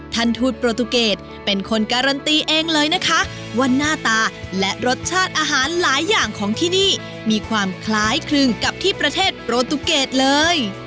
ทูตโปรตูเกตเป็นคนการันตีเองเลยนะคะว่าหน้าตาและรสชาติอาหารหลายอย่างของที่นี่มีความคล้ายคลึงกับที่ประเทศโปรตุเกตเลย